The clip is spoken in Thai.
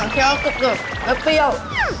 เคี้ยวกึบแล้วเปรี้ยว